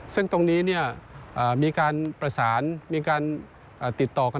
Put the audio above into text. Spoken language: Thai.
ซึ่งตรงนี้มีการประสานมีการติดต่อกัน